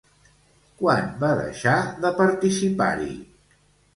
Quan va deixar de participar-hi?